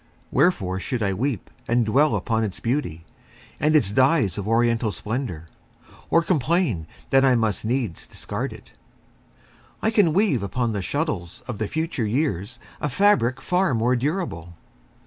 Wherefore should I weep And dwell upon its beauty, and its dyes Of oriental splendor, or complain That I must needs discard it? I can weave Upon the shuttles of the future years A fabric far more durable.